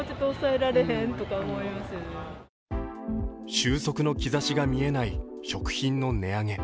終息の兆しが見えない食品の値上げ。